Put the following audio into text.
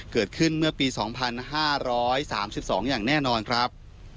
เกิดขึ้นเมื่อปี๒๕๓๒อย่างแน่นอนครับ